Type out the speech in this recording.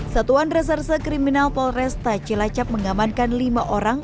satuan reserse kriminal polresta cilacap mengamankan lima orang